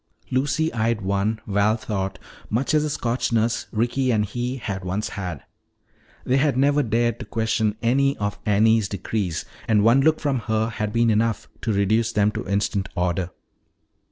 Lucy eyed one, Val thought, much as a Scotch nurse Ricky and he had once had. They had never dared question any of Annie's decrees, and one look from her had been enough to reduce them to instant order.